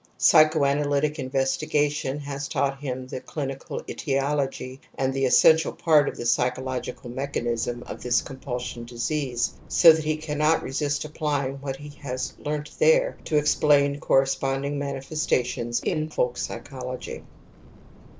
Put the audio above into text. Psychoanalytic investigation has taught him the clinical etiology and the essential part of the psychological mechanism of this compulsion disease, so that he cannot resist applying what he has learnt there to explain corresponding manifestations in folk psychology.